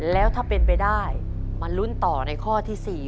แล้วถ้าเป็นไปได้มาลุ้นต่อในข้อที่๔